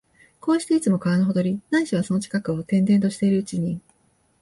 こうして、いつも川のほとり、ないしはその近くを転々としているうちに、